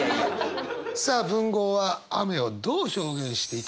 さあ文豪は雨をどう表現していたのでしょうか？